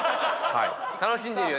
楽しんでるよね